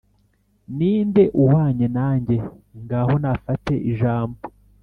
ni nde uhwanye nanjye? ngaho nafate ijambo,